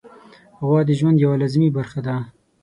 غوا د ژوند یوه لازمي برخه ده.